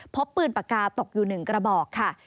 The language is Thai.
พบปืนปากกาตกอยู่๑กระบอกค่ะ